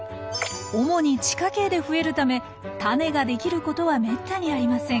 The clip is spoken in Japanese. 主に地下茎で増えるためタネができることはめったにありません。